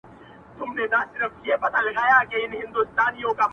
پښتنو انجونو کي حوري پيدا کيږي;